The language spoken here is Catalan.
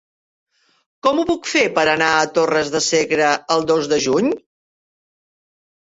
Com ho puc fer per anar a Torres de Segre el dos de juny?